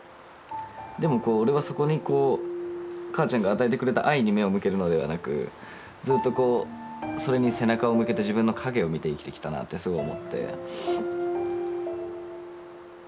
でもこう俺はそこにこう母ちゃんが与えてくれた愛に目を向けるのではなくずっとこうそれに背中を向けて自分の影を見て生きてきたなってすごい思って。